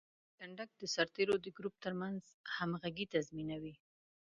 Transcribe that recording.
کنډک د سرتیرو د ګروپ ترمنځ همغږي تضمینوي.